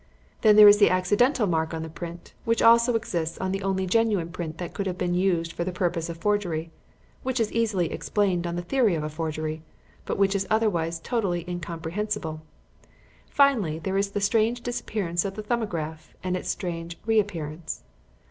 Then there is the accidental mark on the print which also exists on the only genuine print that could have been used for the purpose of forgery, which is easily explained on the theory of a forgery, but which is otherwise totally incomprehensible. Finally, there is the strange disappearance of the 'Thumbograph' and its strange reappearance.